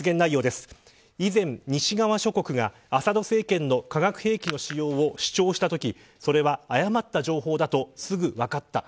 以前、西側諸国がアサド政権の化学兵器の使用を主張したときそれは誤った情報だとすぐ分かった。